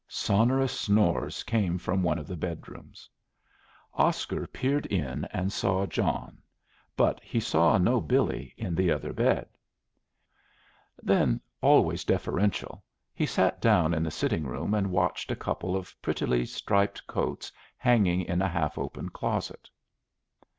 Sonorous snores came from one of the bedrooms. Oscar peered in and saw John; but he saw no Billy in the other bed. Then, always deferential, he sat down in the sitting room and watched a couple of prettily striped coats hanging in a half open closet.